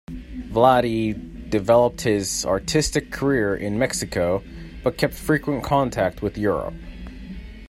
Vlady developed his artistic career in Mexico but kept frequent contact with Europe.